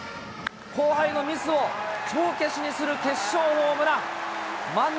後輩のミスを帳消しにする決勝ホームラン。